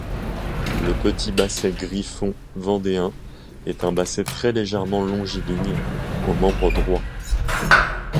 Le petit basset griffon vendéen est un basset très légèrement longiligne, aux membres droits.